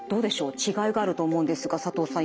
違いがあると思うんですが佐藤さん